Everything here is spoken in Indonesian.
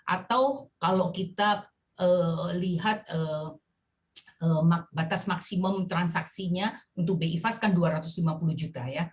atau kalau kita lihat batas maksimum transaksinya untuk bi fas kan dua ratus lima puluh juta ya